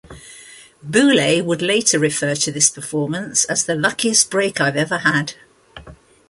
Bouillet would later refer to this performance as the luckiest break I've ever had.